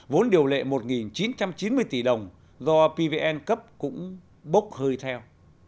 vốn điều lệ một chín trăm chín mươi tỷ đồng do pvn cấp cũng bốc hơi theo